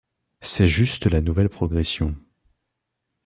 C'est juste la nouvelle progression.